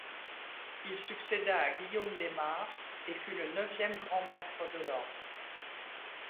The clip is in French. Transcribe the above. Il succéda à Guillaume des Mares et fut le neuvième grand-maître de l'ordre.